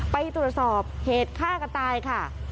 ไปตรวจสอบเหตุฆ่ากันตายค่ะ